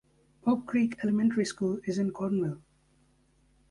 Oak Creek Elementary School is in Cornville.